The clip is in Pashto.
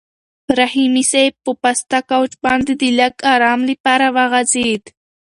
رحیمي صیب په پاسته کوچ باندې د لږ ارام لپاره وغځېد.